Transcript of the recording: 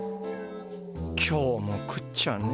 今日も食っちゃ寝。